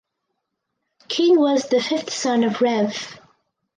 King was the fifth son of Rev.